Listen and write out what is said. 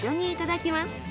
いただきます。